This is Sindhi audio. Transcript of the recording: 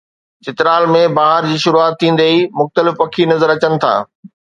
چترال ۾ بهار جي شروعات ٿيندي ئي مختلف پکي نظر اچن ٿا